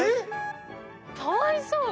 かわいそう！